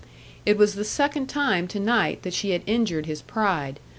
It was the second time to night that she had injured his pride.